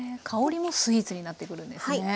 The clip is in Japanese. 香りもスイーツになってくるんですね。